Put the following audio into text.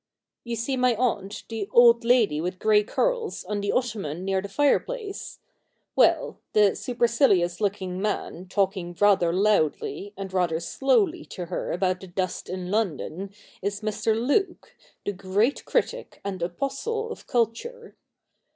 You see my aunt, the old lady with grey curls, on the ottoman near the fireplace ? Well — the supercilious looking man, talking rather loudly and rather slowly to her about the dust in London, is Mr. Luke, the great critic and apostle of culture.